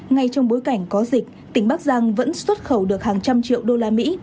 ngay trong bối cảnh có dịch tỉnh bắc giang vẫn xuất khẩu được hàng trăm triệu đô la mỹ